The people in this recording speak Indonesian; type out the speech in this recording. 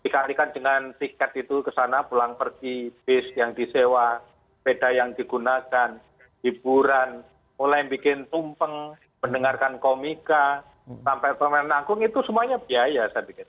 dikalikan dengan tiket itu kesana pulang pergi bis yang disewa sepeda yang digunakan hiburan mulai bikin tumpeng mendengarkan komika sampai permainan nanggung itu semuanya biaya saya pikir